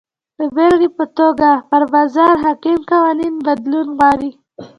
د بېلګې په توګه پر بازار حاکم قوانین بدلون غواړي.